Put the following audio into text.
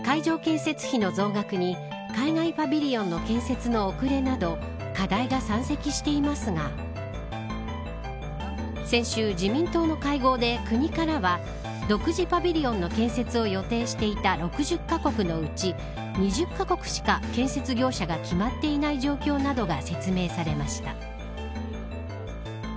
会場建設費の増額に海外パビリオンの建設の遅れなど課題が山積していますが先週、自民党の会合で国からは独自パビリオンの建設を予定していた６０カ国のうち２０カ国しか、建設業者が決まっていない状況などが説明されました。